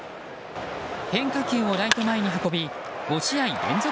変化球をライト前に運び５試合連続